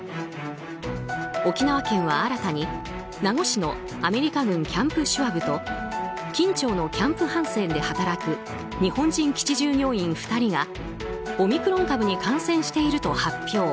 沖縄県は新たに名護市のアメリカ軍キャンプ・シュワブと金武町のキャンプ・ハンセンで働く日本人基地従業員２人がオミクロン株に感染していると発表。